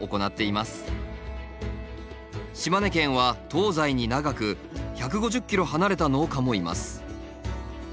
島根県は東西に長く１５０ｋｍ離れた農家もいます。